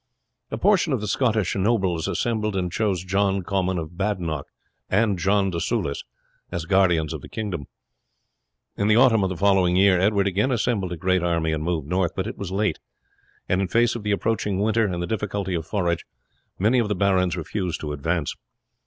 A portion of the Scotch nobles assembled and chose John Comyn of Badenoch and John de Soulis as guardians of the kingdom. In the autumn of the following year Edward again assembled a great army and moved north, but it was late; and in the face of the approaching winter, and the difficulty of forage, many of the barons refused to advance.